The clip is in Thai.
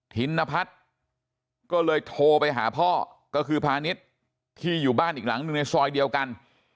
ธินพัฒน์ก็เลยโทรไปหาพ่อก็คือพาณิชย์ที่อยู่บ้านอีกหลังหนึ่งในซอยเดียวกัน